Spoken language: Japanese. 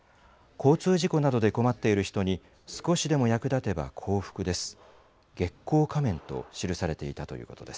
交通事故などで困っている人に少しでも役だてば幸福です。